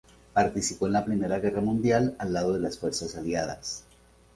Participó en la Primera Guerra Mundial al lado de las fuerzas aliadas.